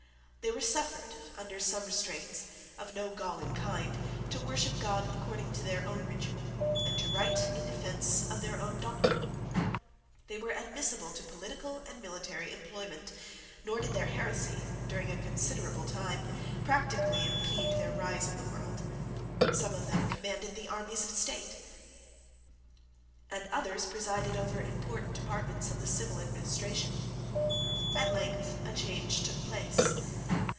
They were suffered, under some restraints of no galling kind, to worship God according to their own ritual, and to write in defence of their own doctrine. They were admissible to political and military employment; nor did their heresy, during a considerable time, practically impede their rise in the world. Some of them commanded the armies of the state; and others presided over important departments of the civil administration. At length a change took place.